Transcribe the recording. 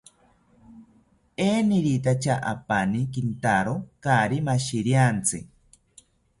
Eniwitacha apani kintawo kaari mashiriantzi